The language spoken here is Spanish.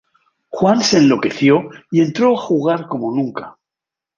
Juan se enloqueció y entró a jugar como nunca.